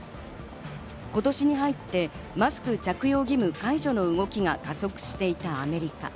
今年に入ってマスク着用義務解除の動きが加速していたアメリカ。